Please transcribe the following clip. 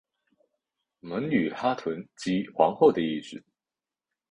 蒙语哈屯即皇后的意思。